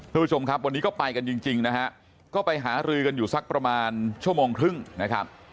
ทุกผู้ชมครับวันนี้ก็ไปกันจริงนะฮะก็ไปหารือกันอยู่สักประมาณชั่วโมงครึ่งนะครับ